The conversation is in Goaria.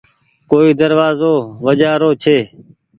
ڪوئي دروآزو وجهآ رو ڇي